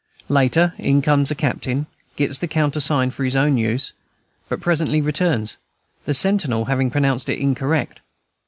Later, in comes a captain, gets the countersign for his own use, but presently returns, the sentinel having pronounced it incorrect.